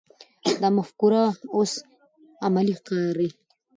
دا مفکوره اوس عملي ښکاري.